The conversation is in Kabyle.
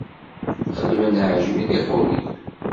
Xedmen aɛejmi di Ḥurib.